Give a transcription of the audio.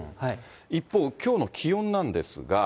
一方、きょうの気温なんですが。